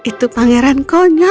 itu pangeran konyol